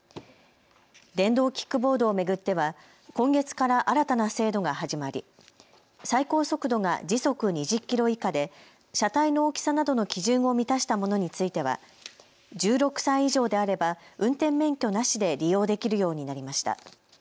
電動キックボードを巡っては今月から新たな制度が始まり最高速度が時速２０キロ以下で車体の大きさなどの基準を満たしたものについては１６歳以上であれば運転免許なしで利用できるようになりました。